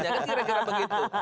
tidak kira kira begitu